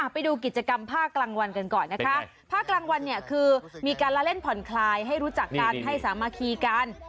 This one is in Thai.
ไปดูกิจกรรมภาคกลางวันกันก่อนนะคะภาคกลางวันเนี่ยคือมีการละเล่นผ่อนคลายให้รู้จักกันให้สามัคคีกัน